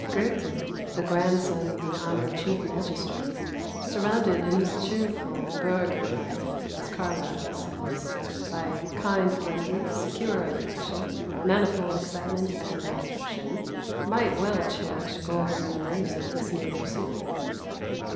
Goethe, the grandson of the honored chief magistrate, surrounded in his cheerful burgher life, as Carlyle says, by "kind plenty, secure affection, manifold excitement and instruction," might well cherish golden memories of his native city.